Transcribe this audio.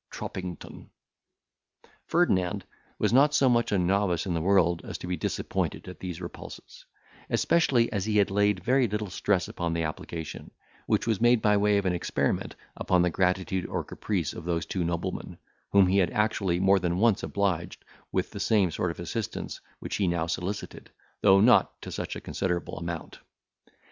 TROMPINGTON." Ferdinand was not such a novice in the world as to be disappointed at these repulses; especially as he had laid very little stress upon the application, which was made by way of an experiment upon the gratitude or caprice of those two noblemen, whom he had actually more than once obliged with the same sort of assistance which he now solicited, though not to such a considerable amount.